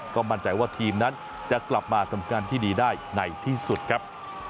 ก็มั่นใจว่าทีมนั้นจะกลับมาทำการที่ดีได้ในที่สุดครับ